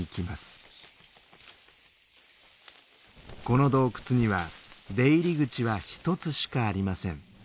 この洞窟には出入り口は一つしかありません。